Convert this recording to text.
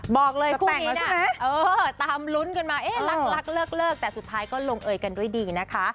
บอกเลยคู่นี้นะตามลุ้นกันมาเอ๊ะรักเลิกแต่สุดท้ายก็ลงเอยกันด้วยดีนะคะ